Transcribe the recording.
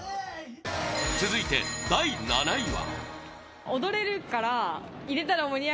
続いて第７位は